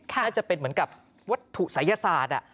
น่าจะเป็นเหมือนกับวัตถุศัยศาสตร์